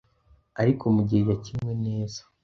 ariko mu gihe yakinwe neza.